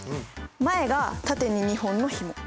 前が縦に２本のヒモ。